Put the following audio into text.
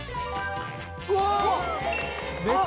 うわっ！